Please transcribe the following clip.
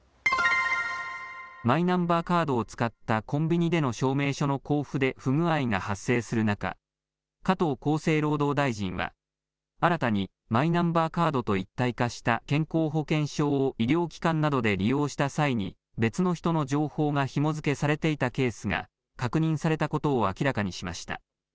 マイナンバーカードを使ったコンビニでの証明書の交付で不具合が発生する中、加藤厚生労働大臣は新たにマイナンバーカードと一体化した健康保険証を医療機関などで利用した際に別の人の情報がひも付けされていたケースが確認されたことを明らかにしました。